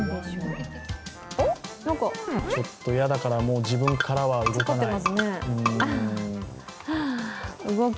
ちょっと嫌だから、自分からは動かない。